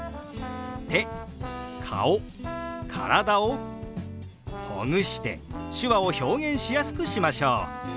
手顔体をほぐして手話を表現しやすくしましょう。